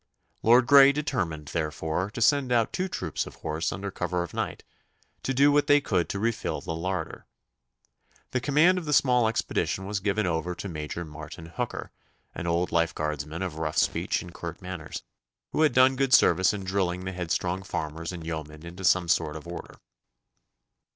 Lord Grey determined, therefore, to send out two troops of horse under cover of night, to do what they could to refill the larder. The command of the small expedition was given over to Major Martin Hooker, an old Lifeguardsman of rough speech and curt manners, who had done good service in drilling the headstrong farmers and yeomen into some sort of order.